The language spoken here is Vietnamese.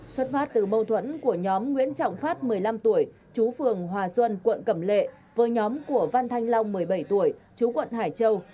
xuất phát từ mâu thuẫn của nhóm nguyễn trọng phát một mươi năm tuổi chú phường hòa xuân quận cẩm lệ với nhóm của văn thanh long một mươi bảy tuổi chú quận hải châu